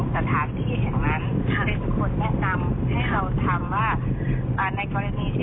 คุณน้องเข้าไปชมสถานที่